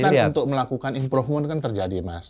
kan untuk melakukan improvement kan terjadi mas